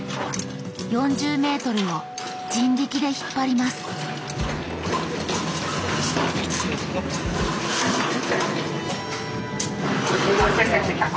４０ｍを人力で引っ張ります来た来た来た来た！